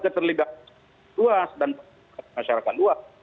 keterlibatan luas dan masyarakat luas